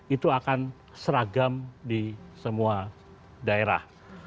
itu akan seragam di semua daerah